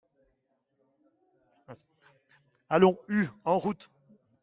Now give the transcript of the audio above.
Allons, hue !… en route !